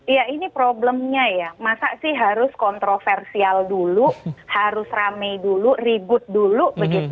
iya ini problemnya ya masa sih harus kontroversial dulu harus rame dulu ribut dulu